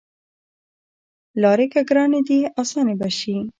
لاری که ګرانې دي اسانې به شي